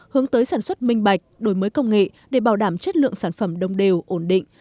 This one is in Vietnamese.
hướng tới sản xuất minh bạch đổi mới công nghệ để bảo đảm chất lượng sản phẩm đông đều ổn định